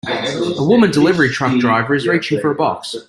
A woman delivery truck driver is reaching for a box.